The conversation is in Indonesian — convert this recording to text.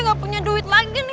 gak punya duit lagi nih